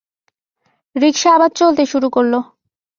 রিকশা আবার চলতে শুরু করল।